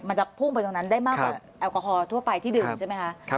มันจะพุ่งไปตรงนั้นได้มากกว่าแอลกอฮอลทั่วไปที่ดื่มใช่ไหมคะ